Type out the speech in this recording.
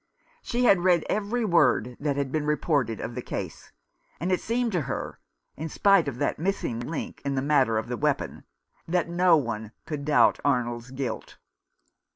She had read every word that had been reported of the 164 A Death blow. case ; and it seemed to her, in spite of that missing link in the matter of the weapon, that no one could doubt Arnold's guilt.